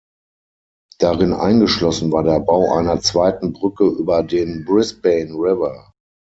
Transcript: Darin eingeschlossen war der Bau einer zweiten Brücke über den Brisbane River.